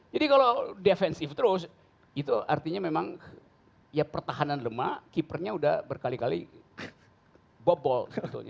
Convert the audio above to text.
jadi kalau defensif terus itu artinya memang ya pertahanan lemah keepernya udah berkali kali bobol